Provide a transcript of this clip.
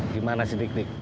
gimana sih dik dik